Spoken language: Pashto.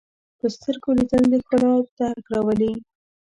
په سترګو لیدل د ښکلا درک راولي